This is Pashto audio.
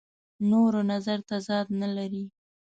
نورو نظر تضاد نه لري.